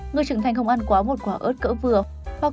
người trưởng thành không ăn quá một quả ớt cỡ vừa